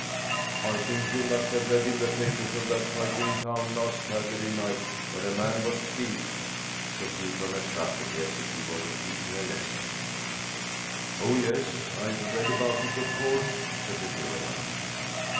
"I think you must have read in the papers of that fight in town last Saturday night, where a man was killed," said Gudmund, as rapidly as if he were repeating a lesson. "Oh, yes, I've read about it, of course," said the Juryman.